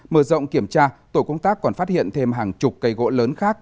mở rộng kiểm tra tổ công tác còn phát hiện thêm hàng chục cây gỗ lớn khác